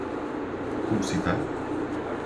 Como citar?